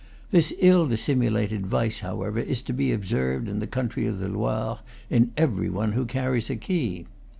This ill dissimulated vice, however, is to be observed, in the country of the Loire, in every one who carries a key.